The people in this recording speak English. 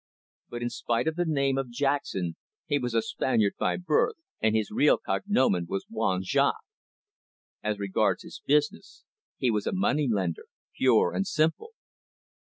But in spite of the name of Jackson, he was a Spaniard by birth, and his real cognomen was Juan Jaques. As regards his business, he was a moneylender, pure and simple.